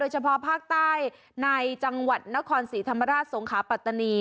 เฉพาะภาคใต้ในจังหวัดนครศรีธรรมราชสงขาปัตตานี